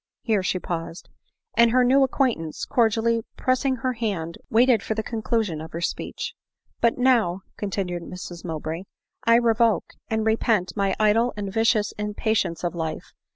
Here she paused :— and her new acquaintance, cordially pressing her hand, waited for the conclusion of her speech; " but now," continued Mrs Mowbray, " 1 revoke, and repent my idle and vicious impatience of life.